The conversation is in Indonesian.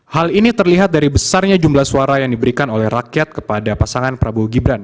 hal ini terlihat dari besarnya jumlah suara yang diberikan oleh rakyat kepada pasangan prabowo gibran